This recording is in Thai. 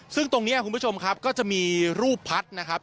ซึ่งตรงนี้คุณผู้ชมครับก็จะมีรูปพัดนะครับ